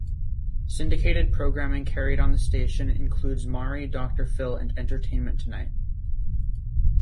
Syndicated programming carried on the station includes "Maury", "Doctor Phil" and "Entertainment Tonight".